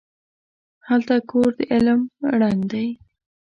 هلته کور د علم ړنګ دی